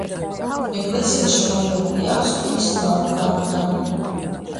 ეკლესიას შემოვლებული აქვს ქვის ლავგარდანი.